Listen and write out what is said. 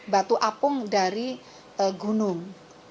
batu apung dari gunung